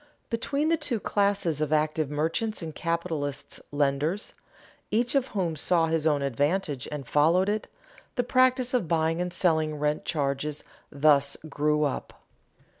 Between the two classes of active merchants and capitalist lenders, each of whom saw his own advantage and followed it, the practice of buying and selling rent charges thus grew up.